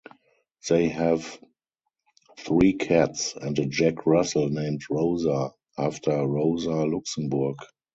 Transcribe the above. They have three cats and a Jack Russell named Rosa, after Rosa Luxemburg.